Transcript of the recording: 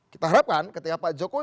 kita harapkan ketika pak jokowi